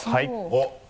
おっ！